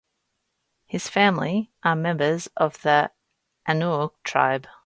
His family are members of the Anuak tribe.